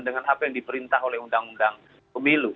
dengan apa yang diperintah oleh undang undang pemilu